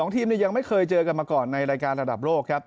ทีมยังไม่เคยเจอกันมาก่อนในรายการระดับโลกครับ